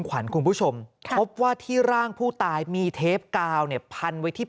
ขวัญคุณผู้ชมพบว่าที่ร่างผู้ตายมีเทปกาวเนี่ยพันไว้ที่